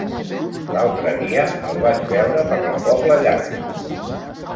L'altre dia el vaig veure per la Pobla Llarga.